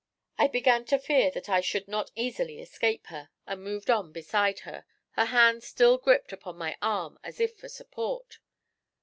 I began to fear that I should not easily escape her, and moved on beside her, her hand still gripped upon my arm as if for support.